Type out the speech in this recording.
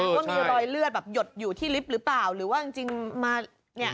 ว่ามีรอยเลือดแบบหยดอยู่ที่ลิฟต์หรือเปล่าหรือว่าจริงจริงมาเนี่ย